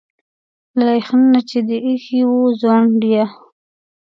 له يخني نه چي دي ا يښي وو ځونډ يه